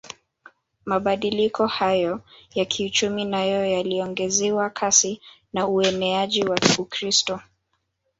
Mabadiliko hayo ya kiuchumi nayo yaliongezewa kasi na ueneaji wa Ukristo